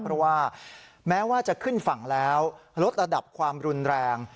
เพราะว่าแม้ว่าจะขึ้นฝั่งแล้วลดระดับความรุนแรง